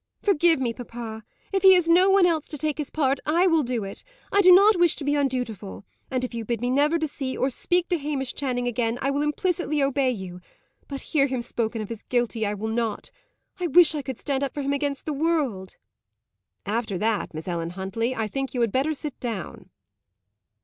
"Forgive me, papa. If he has no one else to take his part, I will do it. I do not wish to be undutiful; and if you bid me never to see or speak to Hamish Channing again, I will implicitly obey you; but, hear him spoken of as guilty, I will not. I wish I could stand up for him against the world." "After that, Miss Ellen Huntley, I think you had better sit down."